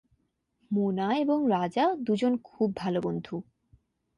মোনা এবং রাজা দুজন খুব ভালো বন্ধু।